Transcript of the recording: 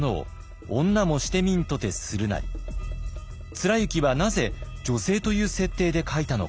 貫之はなぜ女性という設定で書いたのか。